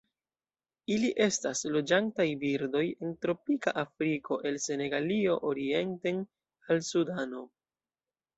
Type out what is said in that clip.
Ili estas loĝantaj birdoj en tropika Afriko el Senegalio orienten al Sudano.